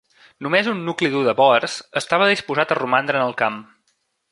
Només un nucli dur de bòers estava disposat a romandre en el camp.